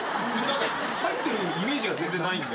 入ってるイメージが全然ないんで。